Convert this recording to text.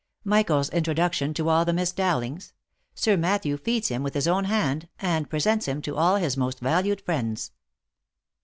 Michael's introduction to all the miss dowlings — sir matthew feeds him with his own hand, and presents him to all his most valued friends.